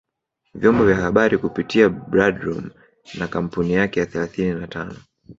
vyombo vya habari kupitia Bradroom na kampuni yake ya thelathini na tano